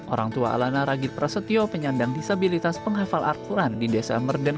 orang tua alana ragil prasetyo penyandang disabilitas penghafal arturan di desa merden